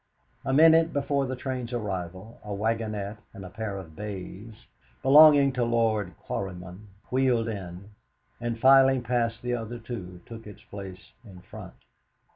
A minute before the train's arrival a wagonette and a pair of bays, belonging to Lord Quarryman, wheeled in, and, filing past the other two, took up its place in front.